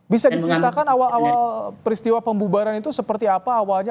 bisa diceritakan awal awal peristiwa pembubaran itu seperti apa awalnya